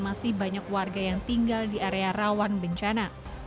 masih banyak warga yang tinggal di area rawan bencana